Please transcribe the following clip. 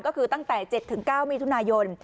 ก็คือตั้งแต่๗๙มิถุนายน